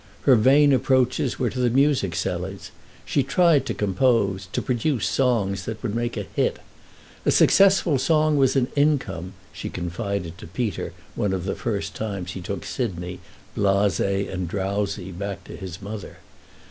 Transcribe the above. Her vain approaches were to the music sellers; she tried to compose—to produce songs that would make a hit. A successful song was an income, she confided to Peter one of the first times he took Sidney, blasé and drowsy, back to his mother.